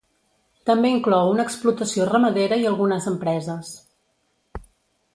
També inclou una explotació ramadera i algunes empreses.